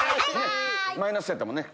マイナスやったもんね